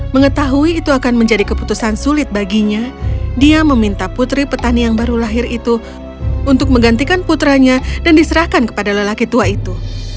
mengetahui itu akan menjadi keputusan sulit baginya dia meminta putri petani yang baru lahir itu untuk menggantikan putranya dan diserahkan kepada lelaki tua itu